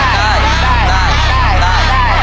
ได้ครับ